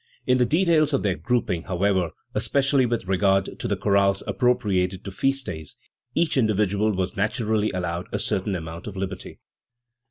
In the details of their grouping, however, especially with regard to the chorales appropriated to feast days, each individual was naturally allowed a certain amount of liberty.